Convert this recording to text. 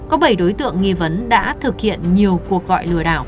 có bảy đối tượng nghi vấn đã thực hiện nhiều cuộc gọi lừa đảo